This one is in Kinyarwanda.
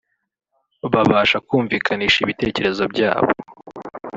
babasha kumvikanisha ibitekerezo byabo